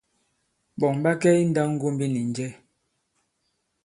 Ɓɔ̌n ɓa kɛ i nndāwŋgombi nì njɛ ?